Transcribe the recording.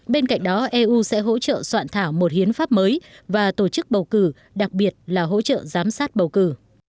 bên cạnh đó eu sẽ hỗ trợ soạn thảo một hiến pháp mới và tổ chức bầu cử đặc biệt là hỗ trợ giám sát bầu cử